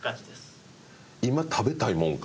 今食べたいもんか。